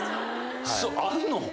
あんの？